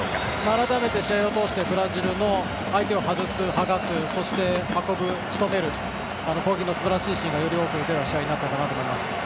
改めて試合を通してブラジルの相手を外す、剥がす、運ぶしとめる、攻撃のすばらしいシーンがよく出たと思います。